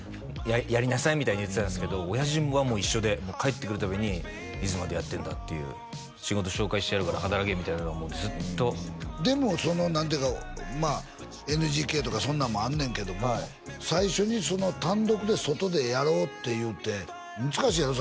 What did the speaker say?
「やりなさい」みたいに言ってたんですけど親父はもう一緒で帰ってくる度に「いつまでやってんだ」っていう「仕事紹介してやるから働け」みたいなのずっとでもその何ていうかまあＮＧＫとかそんなんもあんねんけども最初にその単独で外でやろうっていって難しいやろ？